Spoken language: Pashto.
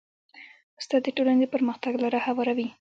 استاد د ټولنې د پرمختګ لاره هواروي.